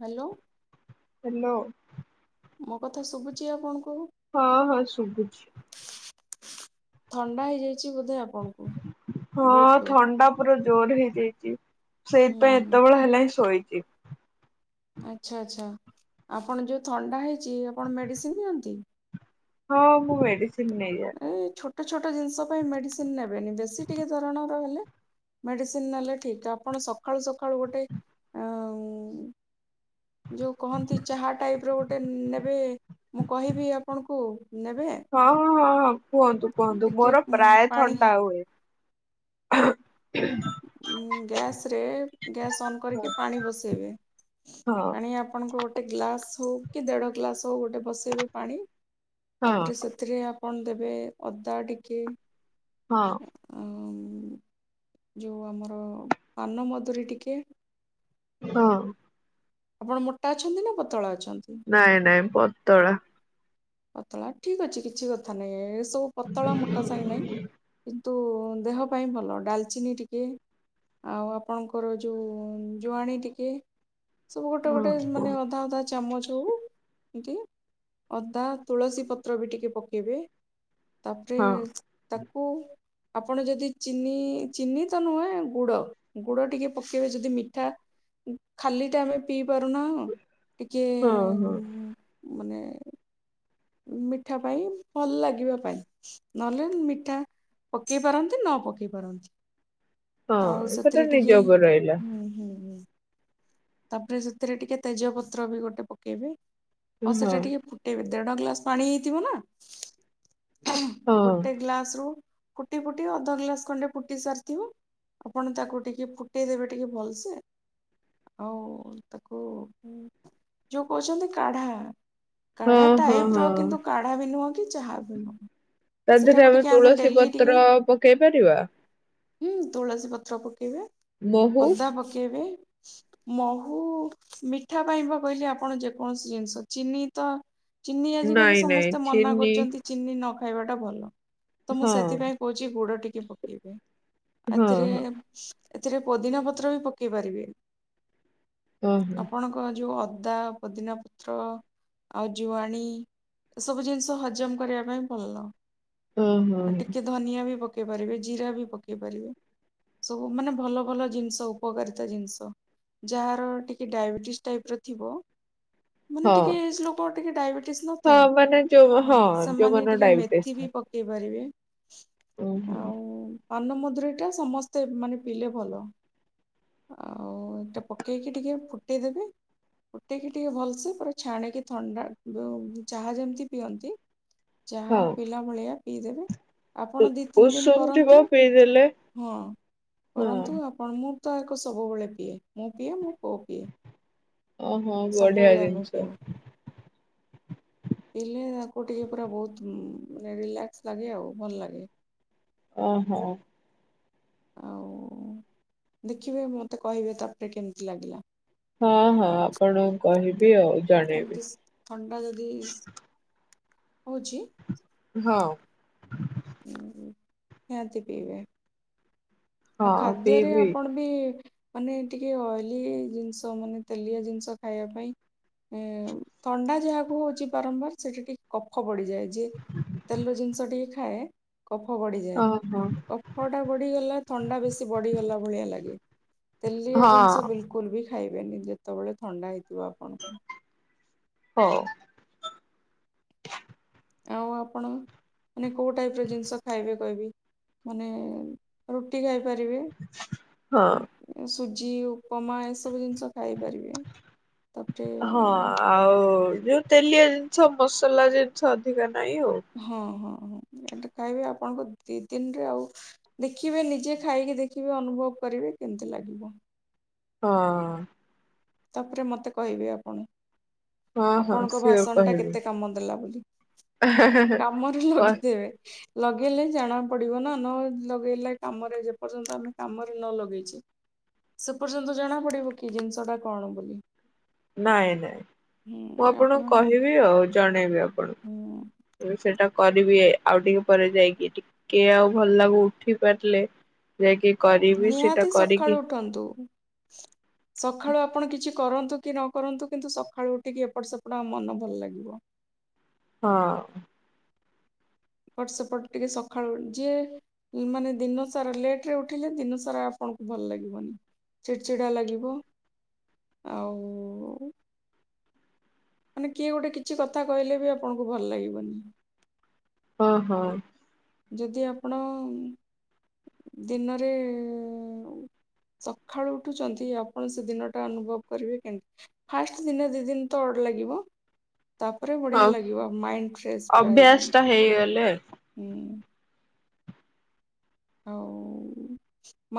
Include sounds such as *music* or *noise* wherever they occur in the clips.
Hello hello ମୋ କଥା ଶୁଭୁଚି ଆପଣଙ୍କୁ? ହଁ ହଁ ଶୁଭୁଚି। ଥଣ୍ଡା ହେଇଯାଇଚି ବୋଧେ ଆପଣଙ୍କୁ। ହଁ ବହୁତ ଜୋର ଥଣ୍ଡା ପୁରା ଜୋର ହୋଇଯାଇଚି। ହୁଁ ସେଇଥିପାଇଁ ହୁଁ ଏତେବେଳେ ହେଲା ହିଁ ଶୋଇଚି। ଆଚ୍ଛା, ଆଚ୍ଛା ଆପଣ ଯୋ ଥଣ୍ଡା ହେଇଛି ଆପଣ ମେଡ଼ିସିନ୍ ନିଅନ୍ତି। ହଁ ମୁଁ ମେଡିସିନ୍ ନେଇଯାଏ। ଛୋଟ ଛୋଟ ଜିନିଷ ପାଇଁ ମେଡିସିନ୍ ନେବେନି ବେଶୀ ଟିକେ ଧରଣର ହେଲେ- - ମେଡ଼ିସିନ୍ ନେଲେ ଠିକ୍ ଆପଣ ସକାଳୁ ସକାଳୁ ଗୋଟେ ଆ ଯୋ କହନ୍ତି ଚାହା ଟାଇପ୍‌ର ଗୋଟେ ନେବେ। ମୁଁ କହିବି ଆପଣଙ୍କୁ ନେବେ? ହଁ ହଁ ହଁ ହଁ କୁହନ୍ତୁ କୁହନ୍ତୁ ଟିକେ ମୋର ଉଁ, ପ୍ରାୟ ପାଣି ଥଣ୍ଡା ହୁଏ। ଗ୍ୟାସ୍ ରେ ଗ୍ୟାସ୍ ଅନ୍ ହଁ କରିକି ପାଣି ବସେଇବେ। ପାଣି ଆପଣଙ୍କୁ ଗୋଟେ ଗ୍ଲାସ ହଉ କି ଦେଢ ଗ୍ଲାସ ହଉ ଗୋଟେ ବସେଇବେ ପାଣି ହଁ ତାପରେ ସେ- - ଥିରେ ଆପଣ ଦେବେ ଅଦା ଟିକେ ହଁ ଉଁ- - ଯୋ ଆମର ପାନମଧୁରୀ ଟିକେ ହଁ ଆପଣ ମୋଟା ଅଛନ୍ତି ନା ପତଳା ଅଛନ୍ତି? ନାଇଁ ନାଇଁ ପତଳା। ପତଳା ଠିକ ଅଛି କିଛି କଥା ନାହିଁ ଏ ସବୁ ପତଳା ମୋଟା ସାହି ନାହିଁ। ତୁ ଦେହ ପାଇଁ ଭଲ ଡାଲଚିନି ଟିକେ ଆଉ ଆପଣଙ୍କର ଯୋଉଁ ଜୁଆଣୀ ଟିକେ - - ସବୁ ଗୋଟେ ହଁ ଗୋଟେ ହଁ ମାନେ ଅଧା ଅଧା ଚାମଚ ହଉ ଟିକେ - - ତା ତୁଳସୀ ପତ୍ର ବି ଟିକେ ପକେଇବେ, ତାପରେ ହଁ ତାକୁ - - ଆପଣ ଯଦି ଚିନି ଚିନି ତ ନୁହେଁ ଗୁଡ଼ - - ଗୁଡ ଟିକେ ପକେଇବେ ଯଦି ମିଠା ଖାଲି ଟେ ଆମେ ପିଇ ପାରୁନ ଟିକେ ହଁ ମାନେ ମିଠା ପାଇଁ ଭଲ ଲାଗିବା ପାଇଁ - - ନହେଲେ ମିଠା ପକେଇ ପାରନ୍ତି ନ ପକେଇ ପାରନ୍ତି। ଆଉ ହଁ ସେଟା ସେଥିରେ ନିଜ ଟିକେ ଉପରେ ରହିଲା ହୁଁ ହୁଁ ହୁଁ। ତାପରେ ସେଥିରେ ଟିକେ ତେଜପତ୍ର ବି ଗୋଟେ ପକେଇବେ ହଁ ଆଉ ହଁ। ସେଟା ଟିକେ ଫୁ ଟିଇ ଦେଢ ଗ୍ଲାସ ପାଣି ହେଇଥିବ ନା ଗୋଟେ ହଁ ଗ୍ଲାସ ରୁ, ଫୁଟି ଫୁଟି ଅଧ ଗ୍ଲାସ ଖଣ୍ଡେ ଫୁଟି ସାରିଥିବ। ଆପଣ ତାକୁ ଟିକେ ଫୁଟେଇଦେବେ ଟିକେ ଭଲସେ। ଆଉ ତାକୁ ଯୋଉ କହୁଛନ୍ତି କାଢା। କାଢା ହଁ ଟାଇପ୍‌ର ହଁ କିନ୍ତୁ କାଢା ବି ନୁହଁ କି ଚାହା ବି ନୁହଁ। ତାଧେରେ ସେଟାକୁ ଆମେ ଟିକେ ତୁଳସୀ ଡେଲି ଟିକେ ପତ୍ର ପକେଇ ପାରିବା? ହୁଁ ତୁଳସୀ ପତ୍ର ପକେଇବେ, ମହୁ ଅଦା ପକେଇବେ, ମହୁ ମିଠା ପାଇଁ ବା କହିଲି ଆପଣ ଯେକୌଣସି ଜିନିଷ ଚିନି ତ, ଚିନି ଆଜିକାଲି ନାଇଁ ନାଇଁ ସମସ୍ତେ ମନା ଚିନି କରୁଛନ୍ତି। ଚିନି ନ ଖାଇବାଟା ଭଲ ତ ମୁଁ ହଁ ସେଥିପାଇଁ କହୁଛି ଗୁଡ ଟିକେ ପକେଇବେ। ହଁ ଏଥିରେ ହଁ ଏଥିରେ ପୋଦିନା ପତ୍ର ବି ପକେଇ ପାରିବେ। ଓ ହୋ ଆପଣଙ୍କ ଯୋଉ ଅଦା, ପୋଦିନା ପତ୍ର, ଆଉ ଜୁଆଣି ଏ ସବୁ ଜିନିଷ ହଜମ କରିବା ପାଇଁ ଭଲ। ହୁଁ ହୁଁ ଆଉ ହୁଁ। ଟିକେ ଧନିଆ ବି ପକେଇ ପାରିବେ ଜିରା ବି ପକେଇ ପାରିବେ। ସବୁ ମାନେ ଭଲ ଭଲ ଜିନିଷ ଉପକାରିତା ଜିନିଷ। ଯାହାର ଟିକେ ଡାଇବେଟିସ୍ ଟାଇପ ର ଥିବ ମାନେ ହଁ ଟିକେ ଏଜ ଲୋକ ଟିକେ ଡାଇବେ ଫିସ ହଁ ନଥାଏ ମାନେ ଯୋଉ ଉଁ ହଁ ସେମାନେ ଯୋଉମାନଙ୍କର ଟିକେ ଡାଇବେଟିସ୍ ମେଥି ଥାଏ। ବି ପ କେଇପାରିବେ ଓହୋ ଆଉ। ପାନମଦୁରୀଟା ସମସ୍ତେ ମାନେ ପିଇଲେ ଭଲ ଆଉ। ସେଟା ପକେଇକି ଟିକେ ଫୁଟେଇଦବେ। ଫୁଟେଇକି ଟିକେ ଭଲସେ ପୁରା ଛାଣିକି ଥଣ୍ଡା ଯୋଉ ଚାହା ଯେମିତି ପିଅନ୍ତି ଚାହା ହଁ ପିଇଲା ଭଳିଆ ପିଇଦେବେ। ଆପଣ ଦି ତିନି ଦିନ ଉଷୁମ ଥିବ କରନ୍ତୁ, ପିଇଦେଲେ ହଁ ହଁ କରନ୍ତୁ ଆ କଣ ମୁଁ ତ ଆକୁ ସବୁବେଳେ ପିଏ, ମୁଁ ପିଏ ମୋ ପୁଅ ପିଏ। ଓହୋ ବଢିଆ ସବୁବେଳେ ଆମେ ଜିନିଷ। ପିଉ ପିଇଲେ ତାକୁ ଟିକେ ପୁରା ବହୁତ ମାନେ ରିଲାକ୍ସ ଲାଗେ ଆଉ ଭଲ ଲାଗେ। ଓହୋ। ଆଉ ଦେଖିବେ ମତେ କହିବେ ତାପରେ କେମିତି ଲାଗିଲା। ହଁ ହଁ ଆପଣ କହିବି ଆଉ। ଜଣେଇବି ଏମିତିସ ଥଣ୍ଡା ଯଦିସ ହଉଛି, ହଁ। ଉଁ ଉଁ ନିହାତି ପିଇବେ। ଆଉ ହଁ ଖାଦ୍ୟରେ ପିଇବି ଆପଣ ବି ମାନେ ଟିକେ ଅଏଲି ଜିନିଷ ମାନେ ତେଲିଆ ଜିନିଷ ଖାଇବା ପାଇଁ। ଉଁ ଉ ଥଣ୍ଡା ଯାହାକୁ ହଉଛି ବାରମ୍ବାର ସେଠି ଟିକେ କଫ ପଡିଯାଏ। ଯିଏ ତେଲ ଜିନିଷ ଟିକେ ଖାଏ କଫ ବଢିଯାଏ ଓହୋ କଫ ଟା ବଢିଗଲା, ଥଣ୍ଡା ବେଶୀ ବଢିଗଲା ଭଳିଆ ଲାଗେ ତେଲିଆ ହଁ ଜିନିଷ ବିଲ କୁଲ ବି ଖାଇବେନି ଯେତେବେଳେ ଥଣ୍ଡା ହେଇଥିବ ଆପଣଙ୍କୁ। ହଉ। ଆଉ ଆପଣ ମାନେ କୋଉ ଟାଇପ ର ଜିନିଷ ଖାଇବେ କହିବି। ମାନେ ରୁଟି ଖାଇପାରିବେ। ହଁ। ଉଁ ସୁଜି ଉପମା ଏସବୁ ଜିନିଷ ଖାଇ ପାରିବେ। ହଁ। ଆଉ, ଯୋଉ ତେଲିଆ ଜିନିଷ, ମସଲା ଜିନିଷ, ଅଧିକା ନାହିଁ ଆଉ। ହଁ ହଁ ହଁ, ଏଟା ଖାଇବେ ଆପଣଙ୍କୁ ଦି ଦିନରେ ଆଉ ଦେଖିବେ ନିଜେ ଖାଇକି ଦେଖିବେ, ଅନୁଭବ କରିବେ, କେମତି ଲାଗିବ। ହଁ। ତାପରେ ମତେ କହିବେ ଆପଣ, ହଁ ହଁ ଆପଣଙ୍କ ସିଓର ଭାଷଣଟା କହିବି। କେତେ କାମ ଦେଲା ବୋଲି। କାମରେ ଲଗେଇଦେବେ, ଲଗେଇଲେ ଜଣା ପଡିବ ନା, ନ ଲଗେଇଲେ କାମରେ ଯେପର୍ଯ୍ୟନ୍ତ ଆମେ କାମରେ ନ ଲଗେଇଛେ, ସେ ପର୍ଯ୍ୟନ୍ତ ଜଣା ପଡିବ କି ଜିନିଷ ଟା କଣ ବୋଲି? ନାଇଁ ନାଇଁ, ହୁଁ ମୁଁ ଆପଣ ଆପଣଙ୍କୁ କହିବି ଆଉ। ଜଣେଇବି ଆଉ। ହଁ ହୁଁ ଏବେ ସେଟା କରିବି, ଆଉ ଟିକେ ପରେ ଯାଇକି, ଟିକେ ଆଉ ଭଲ ଲାଗୁ ଉଠି ପାରିଲେ ଯାଇକି କରିବି, ସେଇଟା କରିକି ଠନ୍ତୁ, ସକାଳୁ ଆପଣ କିଛି କରନ୍ତୁ କି ନ କରନ୍ତୁ, କିନ୍ତୁ ସକାଳୁ ଉଠିକି ଏପଟ ସେପଟ, ଆମ ମନ ଭଲ ଲାଗିବ। ହଁ। ଏପଟ ସେପଟ ଟିକେ ସକାଳୁ, ଯିଏ ମାନେ ଦିନ ସାରା ଲେଟରେ ଉଠିଲେ, ଦିନ ସାରା ଆପଣଙ୍କୁ ଭଲ ଲାଗିବନି। ଚିଡ୍‌ଚିଡା ଲାଗିବ, ଆଉ ମାନେ କିଏ ଗୋଟେ କିଛି କଥା କହିଲେବି, ଆପଣଙ୍କୁ ଭଲ ଲାଗିବନି। ହଁ ହଁ। ଯଦି ଆପଣ, ଦିନରେ ସକାଳୁ ଉଠୁଛନ୍ତି, ଆପଣ ସେ ଦିନ ଟା ଅନୁଭବ କରିବେ କେମତି। ଫାଷ୍ଟ ଦିନେ, ଦି ଦିନି ତ ଅଡ ଲାଗିବ, ତାପରେ ହଁ ବଢିଆ ଲାଗିବ, ମାଇଣ୍ଡ ଫ୍ରେଶ୍ ପୁରା ଅଭ୍ୟାସ ହେଇଯିବ। ଟା ହେଇଗଲେ ହୁଁ। ଆଉ,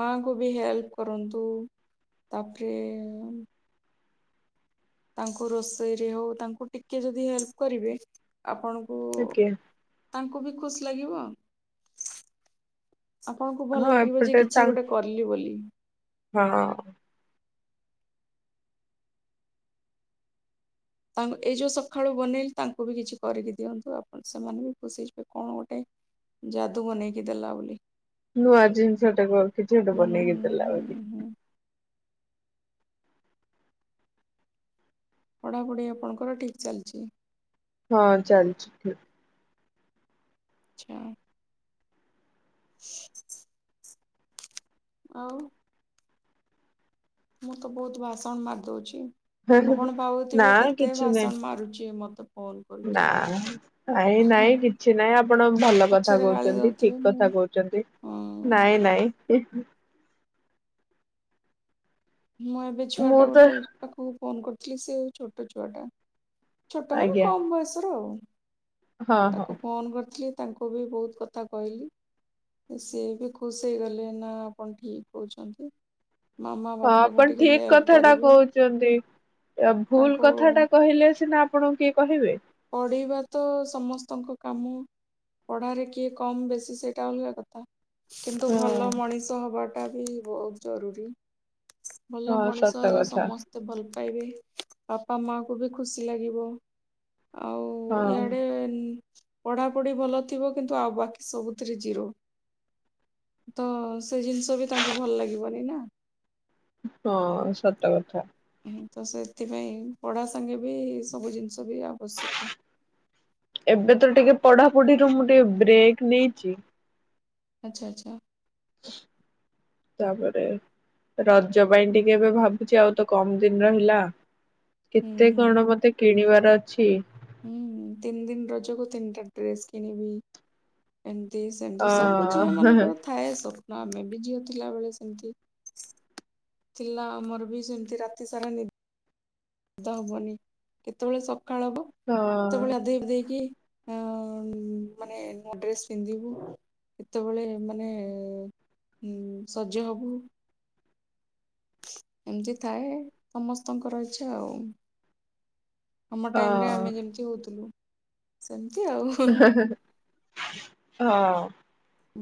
ମାଙ୍କୁ ବି ହେଲ୍ପ କରନ୍ତୁ, ତାପରେ ତାଙ୍କୁ ରୋଷେଇରେ ହଉ, ତାଙ୍କୁ ଟିକେ ଯଦି ହେଲ୍ପ କରିବେ, ଆପଣ ଓକେ। ତାଙ୍କୁ ବି ଖୁସି ଲାଗିବ, ଆପଣଙ୍କୁ ହଁ ଭଲ ଲାଗିବ ଯେ ଏପଟେ କିଛି ତାଙ୍କ ଗୋଟେ କଲି ବୋଲି। ହଁ। ତାଙ୍କ, ଏଇ ଯୋଉ ସକାଳୁ ବନେଇ ତାଙ୍କୁ ବି କିଛି କରିକି ଦିଅନ୍ତୁ, ଆପଣ ସେମାନେ ବି ଖୁସି ହେଇଯିବେ କଣ ଗୋଟେ ଯାଦୁ ବନେଇକି ଦେଲା ବୋଲି। ନୂଆ ଜିନିଷ ଟାକୁ, ଆଉ କିଛି ଗୋଟେ ହୁଁ ହୁଁ ବନେଇକି ଦେଲା ହୁଁ ବୋଲି। ହୁଁ। ପଢ଼ାପଢ଼ି ଆପଣଙ୍କର ଠିକ୍ ଚାଲିଚି? ହଁ, ଚାଲ୍‌ଚି ଠିକ୍। ଆଚ୍ଛା। ଆଉ? ମୁଁ ତ ବହୁତ ଭାଷଣ ମାରିଦଉଚି, ଠିକ ଆପଣ ନା ଭାବୁଥିବେ, କେତେ କିଛି ନାହିଁ ଭାଷଣ ମାରୁଚି ୟେ ମତେ? ଫୋନ କରିକି ନା। ନାଇଁ ନାଇଁ କିଛି ନାଇଁ ଆପଣ ଭଲ କଥା ପଛରେ ଗାଳି କହୁଛନ୍ତି ଦଉଥିବେ ଠିକ ମୁଁ କଥା କହୁଛନ୍ତି। ହଁ ନାଇଁ ନାଇଁ। ମୁଁ ଏବେ ମୁଁ ଛୁଆଟା ତ ଗୋଟେ ପାଖକୁ ଫୋନ କରିଥିଲି ସେ ଛୋଟ ଛୁଆଟା। ଛୋଟମାନେ ଆଜ୍ଞା କମ ବୟସର ଆଉ ହଁ ହଁ ତାକୁ ଫୋନ କରିଥିଲି। ତାଙ୍କୁ ବି ବହୁତ କଥା କହିଲି ସିଏ ବି ଖୁସି ହେଇଗଲେ ନା ଆପଣ ଠିକ କହୁଛନ୍ତି ମାମା ବା ହଁ ଆପଣ ଠିକ କଥାଟା କହୁ ଚନ୍ତି ଭୁଲ ତାଙ୍କୁ କଥା ଟା କହିଲେ ସିନା ଆପଣଙ୍କୁ କିଏ କହିବେ। ଅଢେଇବା ତ ସମସ୍ତଙ୍କ କାମ ପଢ଼ାରେ କିଏ କମ୍ ବେଶୀ ସେଇଟା ଅଲଗା କଥା। କିନ୍ତୁ ଭଲ ହଁ ମଣିଷ ହବାଟା ବି ବହୁତ ଜରୁରୀ। ଭଲ ହଁ ସତ ମଣିଷ ହେଲେ କଥା ସମ ତେ ଭଲ ପାଇବେ ବାପା ମାଙ୍କୁୁ ବି ଖୁସି ଲାଗିବ। ଆଉ ହଁ ଇଆଡ଼େ ପଢ଼ାପଢ଼ି ଭଲ ଥିବ କିନ୍ତୁ ଆଉ ବାକି ସବୁଥିରେ ଜିରୋ। ତ ସେ ଜିନିଷ ବି ତାଙ୍କୁ ଭଲ ଲାଗିବନି ନା। ହଁ ସତ କଥା। ତ ସେଥିପାଇଁ ପଢ଼ା ସାଙ୍ଗେ ବି ସବୁ ଜିନିଷ ବି ଆବଶ୍ୟକ। ଏବେ ତ ଟିକେ ପଢାପଢିରୁ ମୁଁ ଟିକେ ବ୍ରେକ୍ ନେଇଚି। ଆଚ୍ଛା ଆଚ୍ଛା। ତାପରେ ରଜ ପାଇଁ ଟିକେ ଏବେ ଭାବୁଛି ଆଉ ତ କମ ଦିନ ରହିଲା। ହୁଁ କେତେ ହୁଁ କଣ ମୋତେ କିଣିବାର ଅଛି। ହୁଁ ତିନି ଦିନ ରଜ କୁ ତିନିଟା ଡ୍ରେସ କିଣିବି। ଏମତି ଅ ସେମତି ସବୁ ଝିଅ ହଁ ମାନଙ୍କର ଥ ଥାଏ ସ୍ୱପ୍ନ ଆମେ ବି ଝିଅ ଥିଲା ବେଳେ ସେମିତି। ଥିଲା ଆମର ବି ସେମିତି ରାତି ସାରା ନି ଡ ହବନି କେତେବେଳେ ସକାଳ ହବ ହଁ କେତେବେଳେ ଆଧେଇଧେଇକି ଅ ଉଁ ମାନେ ନୂଆ ଡ୍ରେସ୍ ପିନ୍ଧିବୁ ଏତେବେଳେ ମାନେ ହୁଁ ସଜ ହବୁ। ଏମିତି ଥାଏ ସମସ୍ତଙ୍କର ଇଚ୍ଛା ଆଉ। ଆମ ଟାଇମ ରେ ହଁ ଆମେ ଯେମିତି ହଉଥିଲୁ ସେମତି ଆଉ। ହଁ।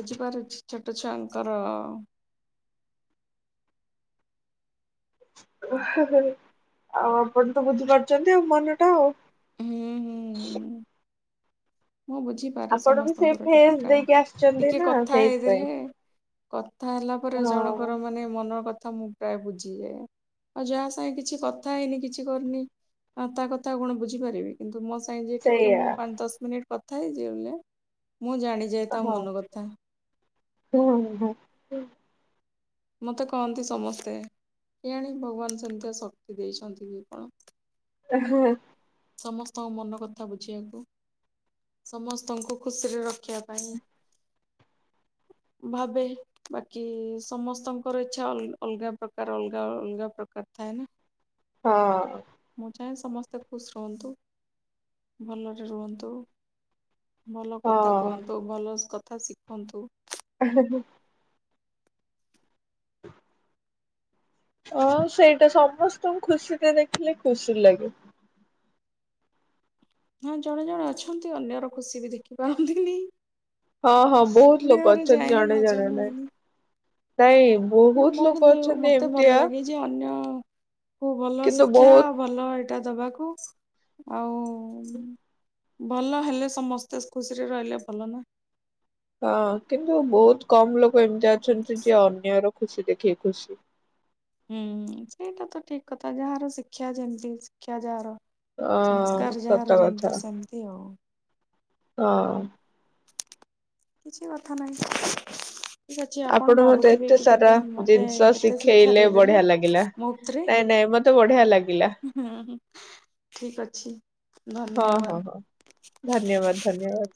ବୁଝିପାରୁଛି ଛୋଟ ଛୁଆଙ୍କର ଓ ଆଉ ଆପଣ ତ ବୁଝିପାରୁଚନ୍ତି ଆଉ ମନ ଟା ଆଉ। ହୁଁ ହୁଁ ଉଁ। ମୁଁ ବୁଝିପାରେ ଆପଣ ବି ସେଇ ସମସ୍ତଙ୍କର ଟିକେ ଫେସ୍ ପ୍ରାୟ ଦେଇକି ଆସିଛନ୍ତି ଟିକେ ନା କଥା ସେଇଥିପାଇଁ ହେଇଦେଲେ କଥା ହେଲା ପରେ ହଁ। ଜଣଙ୍କର ମାନେ ମନର କଥା ମୁଁ ପ୍ରାୟ ବୁଝିଯାଏ ଆଉ ଯାହା ସାଙ୍ଗେ କିଛି କଥା ହେଇନି କିଛି କରିନି ହଁ ତା କଥା ଆଉ କଣ ବୁଝିପାରିବି? କିନ୍ତୁ ମୋ ସାଙ୍ଗେ ଯେ ଟିକେ ସେଇଆ ମୁଁ ପାଞ୍ଚ ଦଶ ମିନିଟ୍ କଥା ହେଇ ଜଲେ ବ ମୁଁ ଜାଣି ଯେ ତା ମନ କଥା। ହୁଁ ହ ହୁଁ ହ। ମତେ କହନ୍ତି ସମସ୍ତେ କିଏ ଆଣି ଭଗବାନ ସେମିତିଆ ଶକ୍ତି ଦେଇଛନ୍ତି କି ଆପଣ। ଓ ହଁ ସମସ୍ତଙ୍କ ମନ କଥା ବୁଝିବାକୁ ସମସ୍ତଙ୍କୁ ଖୁସିରେ ରଖିବା ପାଇଁ ଭାବେ ବାକି ସମସ୍ତଙ୍କର ଇଚ୍ଛା ଅଲଗା ପ୍ରକାର ଅଲଗା ଅଲଗା ପ୍ରକାର ଥାଏ ନା। ହଁ। ମୁଁ ଚାହେଁ ସମସ୍ତେ ଖୁସ୍ ରୁହନ୍ତୁ ଭଲରେ ରୁହନ୍ତୁ। ଭଲ କଥା କୁହନ୍ତୁ ଭଲ କଥା ଶିଖନ୍ତୁ। ହଁ *unintelligible* ହଁ ସେଇଟା ସମସ୍ତଙ୍କୁ ଖୁସିରେ ଦେଖିଲେ ଖୁସି ଲାଗେ। ହଁ ଜଣେ ଜଣେ ଅଛନ୍ତି ଅନ୍ୟର ଖୁସି ବି ଦେଖିପାରନ୍ତିନି। ହଁ ହଁ ବହୁତ ଲୋକ ଅଛନ୍ତି ଯାଏନି ଜଣେ ଜାଣେ ହଜମ ନାଇ ହୁଏନି ନାଇଁ ମୋ ବହୁତ ଲୋକ କିନ୍ତୁ ଅଛନ୍ତି ମତେ ଭଲ ଏମିତିଆ ଲାଗେ ଯେ ଅନ୍ୟ କୁ ଭଲ କିନ୍ତୁ ଶିକ୍ଷା ବହୁତ ଭଲ ଏଇଟା ଦବାକୁ ଆଉ ଭଲ ହେଲେ ସମସ୍ତେ ଖୁସିରେ ରହିଲେ ଭଲ ନା। ହଁ କିନ୍ତୁ ବହୁତ କମ ଲୋକ ଏମିତି ଅଛନ୍ତି ଯିଏ ଅନ୍ୟର ଖୁସି ଦେଖିକ ଖୁସି ହୁଁ ସେଇଟା ତ ଠିକ୍ କଥା ଯାହାର ଶିକ୍ଷା ଯେମତି ଶିକ୍ଷା ଯାହାର ହଁ ସଂସ୍କାର ସତ ଯାହାର କଥା ଯେମିତି ସେମିତି ଆଉ। ହଁ। କିଛି କଥା ନାହିଁ। ଠିକ୍ ଅଛି ଆପଣ ମତେ ଭାବୁଥିବେ ଏତେ କି ସାରା କେତେ ମତେ ଜିନିଷ କେତେ ଶିକ୍ଷା ଶିଖେଇଲେ ଦେଇଦେଲେ। ବଢିଆ ଲାଗିଲା। ମତରେ ନାଇଁ ନାଇଁ ମତେ ବଢିଆ ଲାଗିଲା *unintelligible* ଠିକ୍ ଅଛି ହଁ ହଁ ହଁ ଧନ୍ୟବାଦ। ଧନ୍ୟବାଦ ଧନ୍ୟବାଦ।